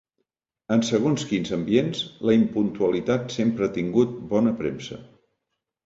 En segons quins ambients, la impuntualitat sempre ha tingut bona premsa.